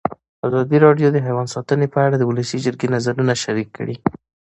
ازادي راډیو د حیوان ساتنه په اړه د ولسي جرګې نظرونه شریک کړي.